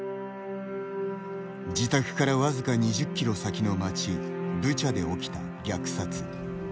自宅から、わずか２０キロ先の町ブチャで起きた虐殺。